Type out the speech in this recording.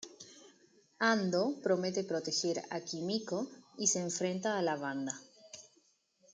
Ando promete proteger a Kimiko y se enfrenta a la banda.